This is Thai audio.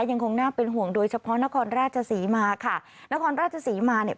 ยังคงน่าเป็นห่วงโดยเฉพาะนครราชศรีมาค่ะนครราชศรีมาเนี่ย